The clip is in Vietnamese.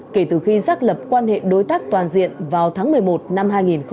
kể từ khi xác lập quan hệ đối tác toàn diện vào tháng một mươi một năm hai nghìn một mươi ba